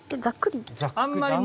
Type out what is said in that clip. ざっくり？